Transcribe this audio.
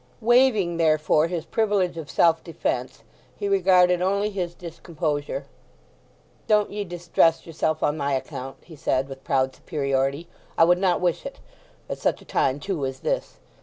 Waiving, therefore, his privilege of self defence, he regarded only his discomposure. "Don't ye distress yourself on my account," he said, with proud superiority. "I would not wish it—at such a time, too, as this.